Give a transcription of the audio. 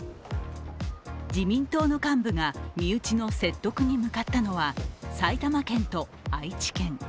自民党の幹部が身内の説得に向かったのは埼玉県と愛知県。